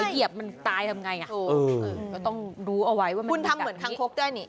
มันคือเผยเกจปัญหาดทิศมันตายทำไงมันต้องรู้เอาไว้ว่ามันมีแบบนี้